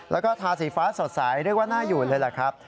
แล้วก็ทาสีฟ้าสดใสเรียกว่าน่าอยู่เลยแหละครับ